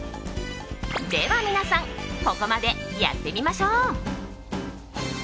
では、皆さんここまでやってみましょう！